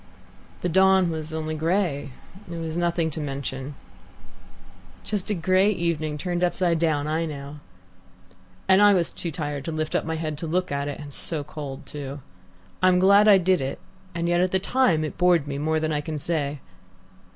"The dawn was only grey, it was nothing to mention " "Just a grey evening turned upside down. I know." " and I was too tired to lift up my head to look at it, and so cold too. I'm glad I did it, and yet at the time it bored me more than I can say.